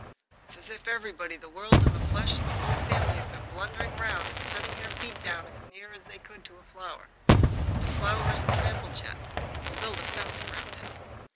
It's as if everybody, the world and the flesh and the Whole Family, had been blundering round and setting their feet down as near as they could to a flower. But the flower isn't trampled yet. We'll build a fence round it."